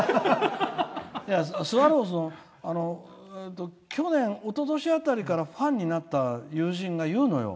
スワローズは去年、おととし辺りからファンになった友人が言うのよ。